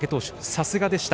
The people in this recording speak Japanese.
さすがでした。